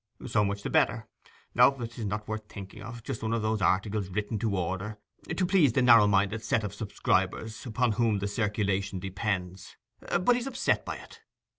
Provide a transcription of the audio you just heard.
'So much the better. O, it is not worth thinking of; just one of those articles written to order, to please the narrow minded set of subscribers upon whom the circulation depends. But he's upset by it.